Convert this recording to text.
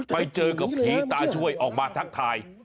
ไปเจอกับผีตาช่วยออกมาทักทาย